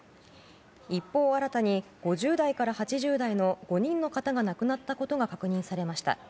一方、新たに５０代から８０代の５人の方が亡くなったことが確認されました。